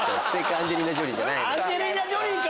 アンジェリーナ・ジョリーか！